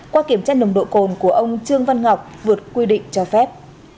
qua kiểm tra nồng độ cồn của ông trương văn ngọc vượt quy định cho phép